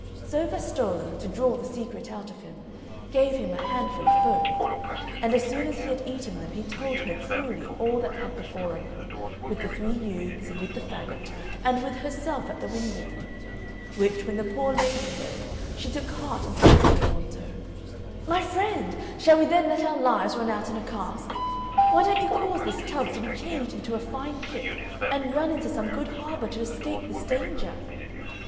So Vastolla, to draw the secret out of him, gave him a handful of both; and as soon as he had eaten them he told her truly all that had befallen him, with the three youths, and with the faggot, and with herself at the window: which, when the poor lady heard, she took heart and said to Peruonto, "My friend, shall we then let our lives run out in a cask? Why don't you cause this tub to be changed into a fine ship and run into some good harbour to escape this danger?"